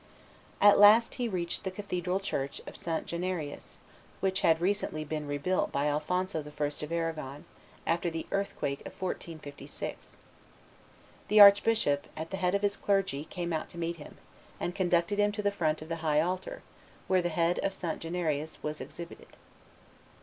At last he reached the cathedral church of St. Januarius, which had recently been rebuilt by Alphonso I. of Arragon, after the earth quake of 1456. The archbishop, at the head of his clergy, came out to meet him, and conducted him to the front of the high altar, where the head of St. Januarius was exhibited.